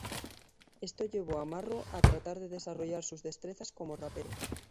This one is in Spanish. Esto llevó a Marrow a tratar de desarrollar sus destrezas como rapero.